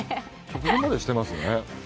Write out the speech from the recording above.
直前までしてますね。